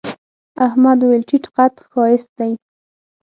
احمد وويل: تيت قد ښایست دی.